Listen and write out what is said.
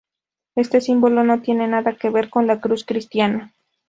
Este símbolo no tiene nada que ver con la cruz cristiana.